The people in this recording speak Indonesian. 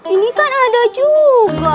ini kan ada juga